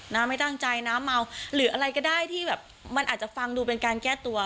ไม่ตั้งใจน้าเมาหรืออะไรก็ได้ที่แบบมันอาจจะฟังดูเป็นการแก้ตัว